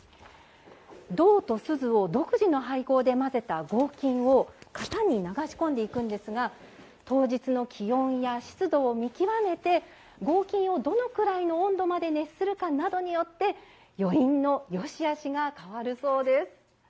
銅と錫を独自の配合で混ぜた合金を型に流し込んでいくんですが当日の気温や湿度を見極めて合金をどのくらいの温度まで熱するかなどによって余韻の善しあしが変わるそうです。